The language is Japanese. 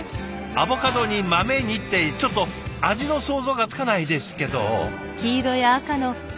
アボカドに豆にってちょっと味の想像がつかないですけど。